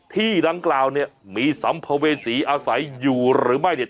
ที่ดังกล่าวเนี่ยมีสัมภเวษีอาศัยอยู่หรือไม่เนี่ย